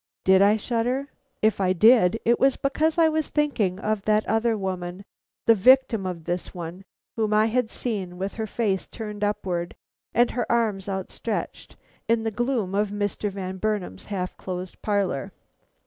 Did I shudder? If I did, it was because I was thinking of that other woman, the victim of this one, whom I had seen, with her face turned upward and her arms outstretched, in the gloom of Mr. Van Burnam's half closed parlor.